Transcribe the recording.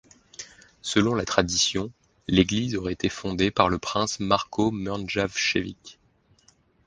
Selon la tradition, l'église aurait été fondée par le prince Marko Mrnjavčević.